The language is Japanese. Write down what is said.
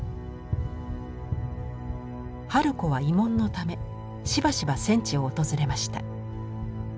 春子は慰問のためしばしば戦地を訪れました。